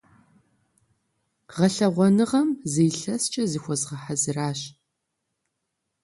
Гъэлъэгъуэныгъэм зы илъэскӀэ зыхуэзгъэхьэзыращ.